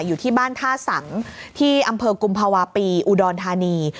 อยู่ที่บ้านท่าสังที่อำเภอกุมภาวะปีอุดรธานี